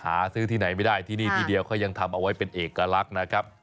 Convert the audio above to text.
หาซื้อที่ไหนไม่ได้ที่นี่ที่เดียวเขายังทำเอาไว้เป็นเอกลักษณ์นะครับ